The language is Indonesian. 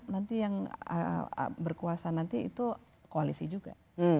nanti yang berkuasa nanti itu koalisi juga